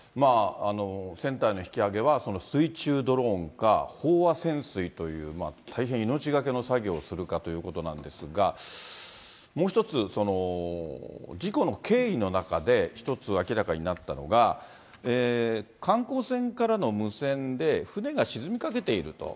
船体の引き揚げは、水中ドローンか、飽和潜水という大変命懸けの作業をするかということなんですが、もう一つ、事故の経緯の中で、一つ明らかになったのが、観光船からの無線で、船が沈みかけていると。